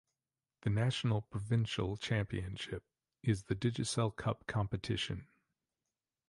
The national provincial championship is the Digicel Cup competition.